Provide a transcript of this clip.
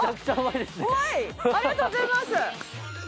ありがとうございます！